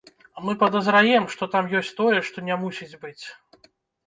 Мы падазраем, што там ёсць тое, што не мусіць быць.